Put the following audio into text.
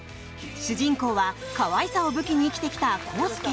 主人公は可愛さを武器に生きてきた、康介。